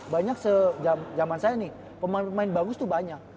banyak sejaman saya nih pemain pemain bagus tuh banyak